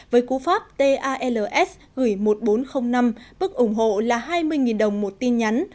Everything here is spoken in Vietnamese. với cú pháp tals gửi một nghìn bốn trăm linh năm bức ủng hộ là hai mươi đồng một tin nhắn